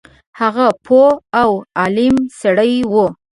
هغه پوه او عالم سړی وو.